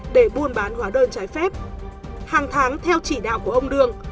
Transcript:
để buôn bán hóa đơn trái phép hàng tháng theo chỉ đạo của ông đương